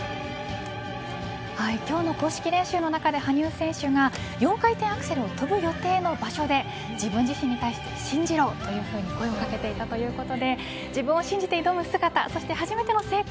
今日の公式練習の中で羽生選手が４回転アクセルを跳ぶ予定の場所で自分自身に対して信じろというふうに声を掛けていたということで自分を信じて挑む姿そして初めての成功